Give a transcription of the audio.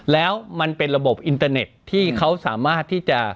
แล้วมันเป็นระบบอินเตอร์เน็ตที่เขาสามารถที่จะ